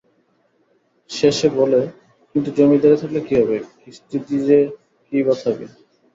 শেষে বলে, কিন্তু জমিদারি থাকলে কি হবে, কিস্তি দিযে কীইবা থাকে?